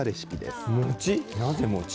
なぜ餅。